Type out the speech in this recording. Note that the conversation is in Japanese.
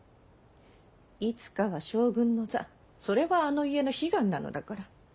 いつかは将軍の座それはあの家の悲願なのだから。